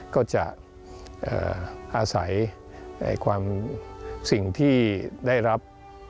ก็จะอาศัยในความสิ่งที่ได้รับ